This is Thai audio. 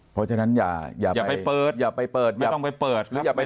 เพราะฉะนั้นอย่าไปเปิดอย่าไปเปิดอย่าต้องไปเปิดหรืออย่าไป